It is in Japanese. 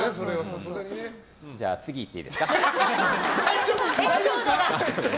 じゃあ次、いっていいですか。